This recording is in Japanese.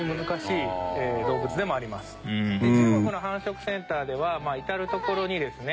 中国の繁殖センターでは至る所にですね